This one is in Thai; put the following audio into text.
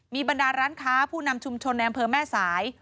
มีบรรดาร้านค้าผู้นำชุมชนในอำเภอแม่สาย